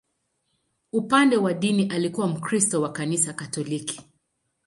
Upande wa dini, alikuwa Mkristo wa Kanisa Katoliki.